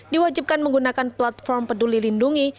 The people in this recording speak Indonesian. diwajibkan menggunakan platform peduli lindungi